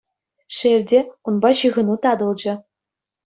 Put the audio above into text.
Шел те, унпа ҫыхӑну татӑлчӗ.